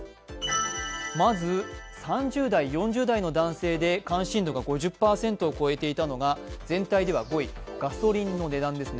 まず３０代、４０代の男性で関心度が５０％を超えていたのが全体では５位、ガソリンの値段ですね。